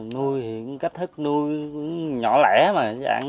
nuôi thì cách thức nuôi nhỏ lẻ mà